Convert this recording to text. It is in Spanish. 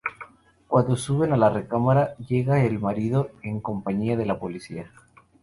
Cuando suben a la recámara, llega el marido, en compañía de la policía.